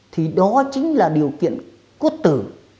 thì đó chính là điều kiện cốt tử